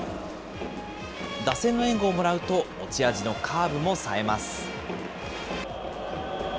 打線の援護をもらうと、持ち味のカーブもさえます。